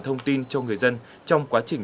thông tin cho người dân trong quá trình